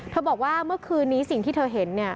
เธอบอกว่าเมื่อคืนนี้สิ่งที่เธอเห็น